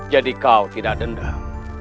jadi kau tidak dendam